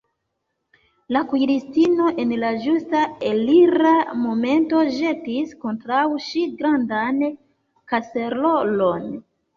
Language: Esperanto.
La kuiristino en la ĝusta elira momento ĵetis kontraŭ ŝi grandan kaserolon.